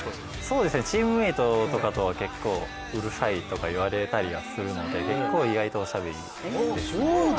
チームメートとかには結構うるさいとか言われたりするので結構、意外とおしゃべりですね。